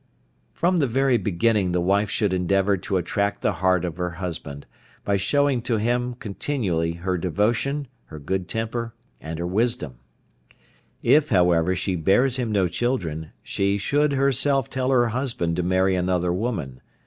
From the very beginning the wife should endeavour to attract the heart of her husband, by showing to him continually her devotion, her good temper, and her wisdom. If however she bears him no children, she should herself tell her husband to marry another woman.